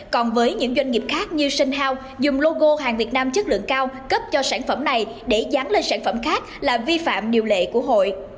còn với những doanh nghiệp khác như sinh hau dùng logo hàng việt nam chất lượng cao cấp cho sản phẩm này để dán lên sản phẩm khác là vi phạm điều lệ của hội